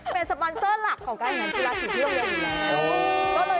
เป็นสปอนเซอร์หลักของการแข่งขันกีฬาสีที่โรงเรียนอยู่แล้ว